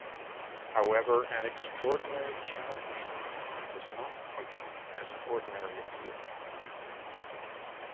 However, an extraordinary challenge committee does not function as an ordinary appeal.